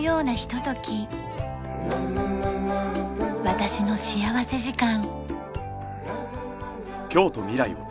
『私の幸福時間』。